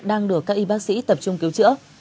đang được các y bác sĩ tập trung cứu chữa